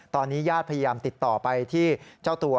ตอนนี้ญาติพยายามติดต่อไปที่เจ้าตัว